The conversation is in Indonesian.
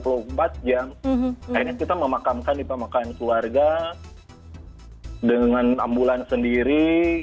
akhirnya kita memakamkan di pemakaian keluarga dengan ambulans sendiri